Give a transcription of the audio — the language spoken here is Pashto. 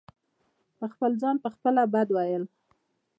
په خپل ځان په خپله بد وئيل